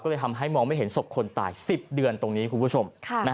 ก็เลยทำให้มองไม่เห็นศพคนตาย๑๐เดือนตรงนี้คุณผู้ชม